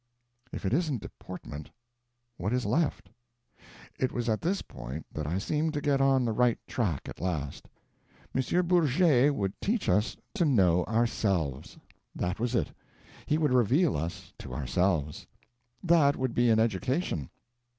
If it isn't Deportment, what is left? It was at this point that I seemed to get on the right track at last. M. Bourget would teach us to know ourselves; that was it: he would reveal us to ourselves. That would be an education.